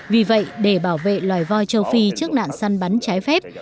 vì vậy để bảo vệ loài voi châu phi trước nạn săn bắn trái phép